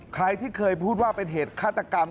ใครที่เคยพูดว่าเป็นเหตุฆาตกรรม